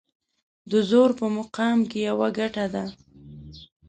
د زور په مقام کې يوه ګټه ده.